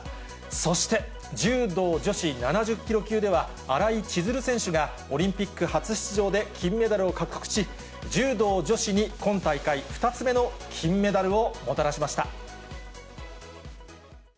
そして、柔道女子７０キロ級では、新井千鶴選手がオリンピック初出場で金メダルを獲得し、柔道女子に今大会２つ目の金メダルをもたらしました。